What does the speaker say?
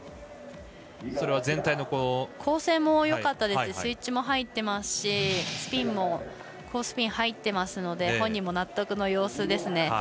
全体の構成もよかったですしスイッチも入ってますしスピンも高スピン入ってるので本人も納得の様子ですね。